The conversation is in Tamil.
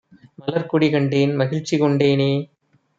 மலர்க்கொடி கண்டேன் மகிழ்ச்சிகொண் டேனே!